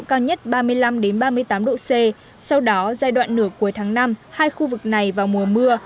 cao nhất ba mươi năm ba mươi tám độ c sau đó giai đoạn nửa cuối tháng năm hai khu vực này vào mùa mưa